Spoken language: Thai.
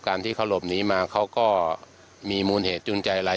การที่เขาหลบหนีมาเขาก็มีมูลเหตุจูงใจอะไร